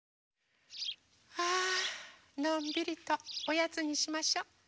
あのんびりとおやつにしましょ。